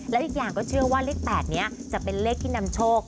และอีกอย่างก็เชื่อว่าเลข๘นี้จะเป็นเลขที่นำโชค